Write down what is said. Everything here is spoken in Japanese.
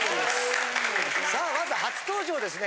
さあまず初登場ですね